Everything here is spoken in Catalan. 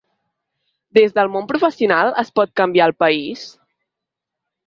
Des del món professional es pot canviar el país?